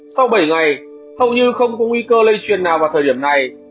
sau bảy ngày hầu như không có nguy cơ lây truyền nào vào thời điểm này